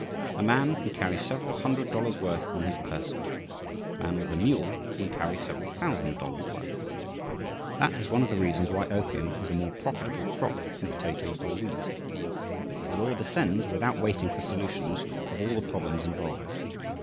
A man can carry several hundred dollars' worth on his person; a man with a mule can carry several thousand dollars' worth. That is one of the reasons why opium is a more profitable crop than potatoes or wheat. But the law descends without waiting for solutions of all the problems involved.